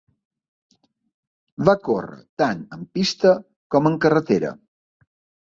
Va córrer tant en pista com en carretera.